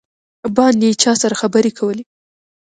باندې یې چا سره خبرې کولې.